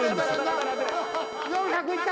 ４００行った！